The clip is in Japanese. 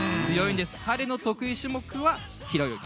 彼の得意種目は平泳ぎ。